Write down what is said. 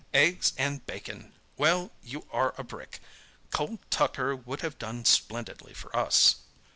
Eggs and bacon! Well, you are a brick! Cold tucker would have done splendidly for us."